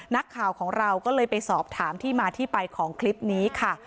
นักข่าวของเราก็เลยไปสอบถามที่มาที่ไปของคลิปนี้ค่ะ